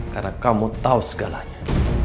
karena kamu tahu segalanya